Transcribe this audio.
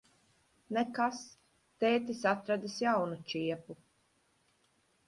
Nekas. Tētis atradis jaunu čiepu.